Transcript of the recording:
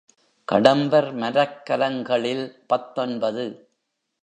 கடம்பர் மரக்கலங்களில் பத்தொன்பது.